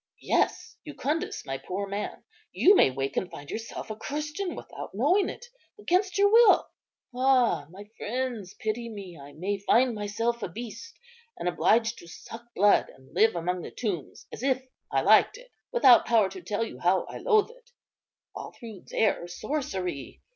"Yes, Jucundus, my poor man, you may wake and find yourself a Christian, without knowing it, against your will. Ah! my friends, pity me! I may find myself a beast, and obliged to suck blood and live among the tombs as if I liked it, without power to tell you how I loathe it, all through their sorcery.